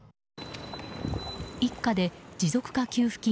一家で持続化給付金